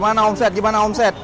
kak gimana omset